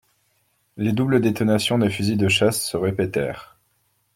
Les doubles détonations des fusils de chasse se répétèrent.